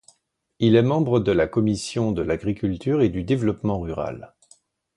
Il est membre de la commission de l'agriculture et du développement rural.